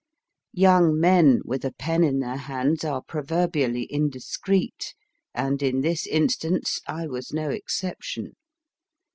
Young men with a pen in their hands are proverbially indiscreet, and in this instance I was no exception.